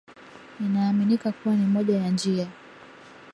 inaaminika kuwa ni moja ya njia